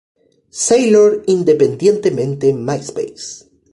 Sailor" independientemente en Myspace.